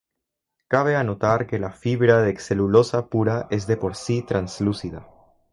Cabe anotar que la fibra de celulosa pura es de por sí translúcida.